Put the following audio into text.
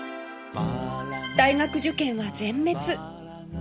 大学受験は全滅